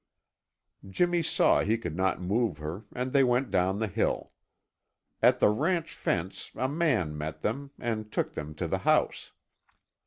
Jimmy saw he could not move her, and they went down the hill. At the ranch fence a man met them and took them to the house.